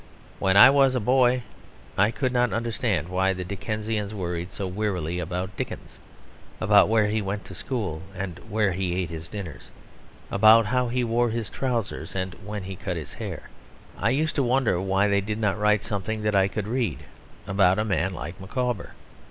When I was a boy I could not understand why the Dickensians worried so wearily about Dickens, about where he went to school and where he ate his dinners, about how he wore his trousers and when he cut his hair. I used to wonder why they did not write something that I could read about a man like Micawber.